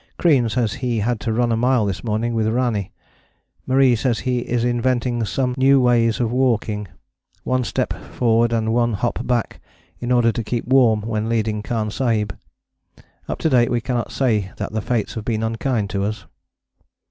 Crean says he had to run a mile this morning with Rani. Marie says he is inventing some new ways of walking, one step forward and one hop back, in order to keep warm when leading Khan Sahib. Up to date we cannot say that the Fates have been unkind to us.